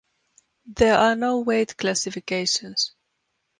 There are no weight classifications.